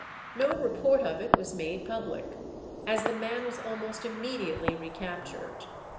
No report of it was made public, as the man was almost immediately recaptured.